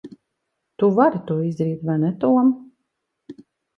Tu vari to izdarīt vai ne Tom?